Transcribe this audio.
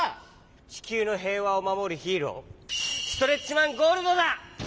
ちきゅうのへいわをまもるヒーローストレッチマン・ゴールドだ！